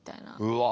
うわ。